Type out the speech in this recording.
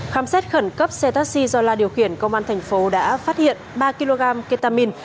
khám xét khẩn cấp xe taxi do la điều khiển công an thành phố đã phát hiện ba kg ketamine